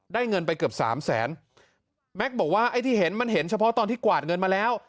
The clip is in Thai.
เงินไปเกือบสามแสนแม็กซ์บอกว่าไอ้ที่เห็นมันเห็นเฉพาะตอนที่กวาดเงินมาแล้ว